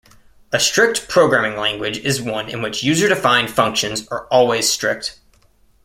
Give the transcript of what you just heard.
A strict programming language is one in which user-defined functions are always strict.